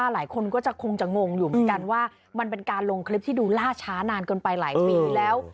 หลายคนก็จะคงจะงงอยู่เหมือนกันว่ามันเป็นการลงคลิปที่ดูล่าช้านานเกินไปหลายปีแล้ว